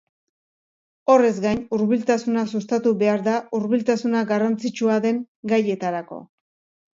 Horrez gain, hurbiltasuna sustatu behar da hurbiltasuna garrantzitsua den gaietarako.